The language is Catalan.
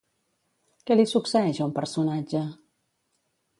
Què li succeeix a un personatge?